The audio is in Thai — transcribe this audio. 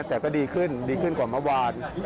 แต่ก็ดีขึ้นกว่าเมื่อวาน